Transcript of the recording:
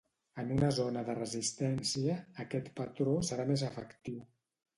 En una zona de resistència, aquest patró serà més efectiu.